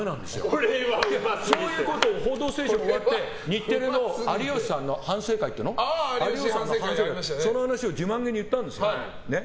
こういうことを「報道ステーション」が終わって日テレの有吉さんの「反省会」でその話を自慢げに言ったんです。